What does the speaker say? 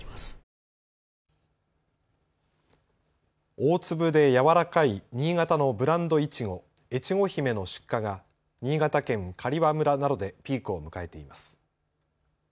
大粒で軟らかい新潟のブランドいちご、越後姫の出荷が新潟県刈羽村などでピークを迎えています。